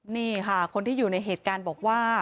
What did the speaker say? นี่ค่ะคนที่อยู่ในเหตุการณ์บอกว่า